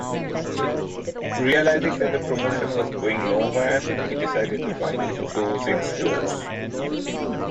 Realizing that the promotion was going nowhere, he decided to finally close its doors.